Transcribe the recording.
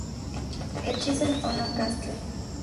Echizen Ohno Castle